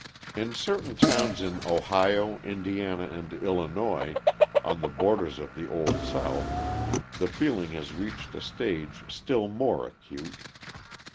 In certain towns in Ohio, Indiana, and Illinois, on the borders of the old South, the feeling has reached a stage still more acute.